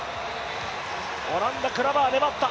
オランダ、クラバー粘った。